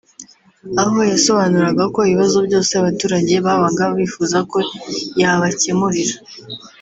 aho yasobanuraga ko ibibazo byose abaturage babaga bifuza ko yabacyemurira